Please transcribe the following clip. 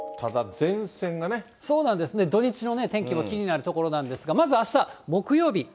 そうなんですね、土日の天気も気になるところなんですが、まずあした木曜日。